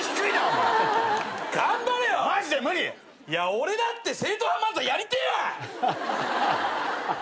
俺だって正統派漫才やりてえわ！